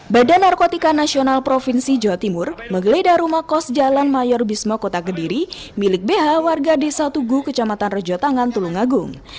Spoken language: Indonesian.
badan narkotika nasional provinsi jawa timur menggeledah rumah kos jalan mayor bismo kota kediri milik bh warga desa tugu kecamatan rejotangan tulungagung